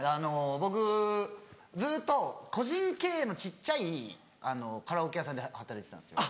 僕ずっと個人経営の小っちゃいカラオケ屋さんで働いてたんですよ。